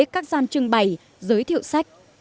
các gian trưng bày giới thiệu sách